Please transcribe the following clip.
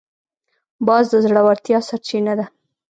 باز د زړورتیا سرچینه ده